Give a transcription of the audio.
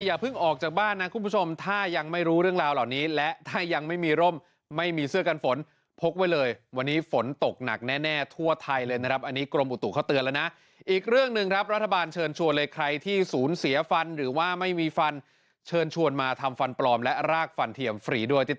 อย่าเพิ่งออกจากบ้านนะคุณผู้ชมถ้ายังไม่รู้เรื่องราวเหล่านี้และถ้ายังไม่มีร่มไม่มีเสื้อกันฝนพกไว้เลยวันนี้ฝนตกหนักแน่ทั่วไทยเลยนะครับอันนี้กรมอุตุเขาเตือนแล้วนะอีกเรื่องหนึ่งครับรัฐบาลเชิญชวนเลยใครที่ศูนย์เสียฟันหรือว่าไม่มีฟันเชิญชวนมาทำฟันปลอมและรากฟันเทียมฟรีด้วย